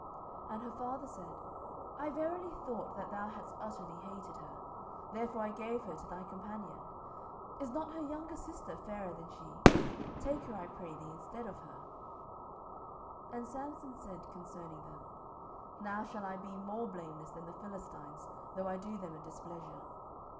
07:015:002 And her father said, I verily thought that thou hadst utterly hated her; therefore I gave her to thy companion: is not her younger sister fairer than she? take her, I pray thee, instead of her. 07:015:003 And Samson said concerning them, Now shall I be more blameless than the Philistines, though I do them a displeasure.